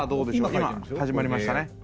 今始まりましたね。